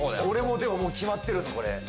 俺もでももう決まってるぞこれ。